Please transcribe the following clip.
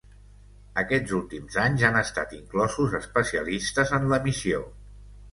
Aquests últims anys, han estat inclosos especialistes en l'emissió.